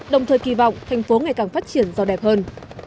đồng thời kỳ vọng thành phố ngày càng phát triển do đẹp hơn